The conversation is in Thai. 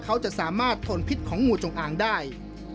เขาจะสามารถทนพิษของงูจงอางได้